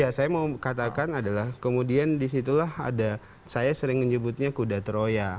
ya saya mau katakan adalah kemudian disitulah ada saya sering menyebutnya kuda troya